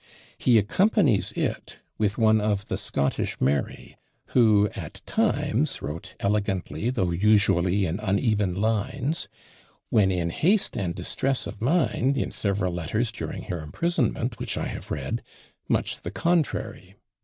He accompanies it with one of the Scottish Mary, who at times wrote elegantly, though usually in uneven lines; when in haste and distress of mind, in several letters during her imprisonment which I have read, much the contrary.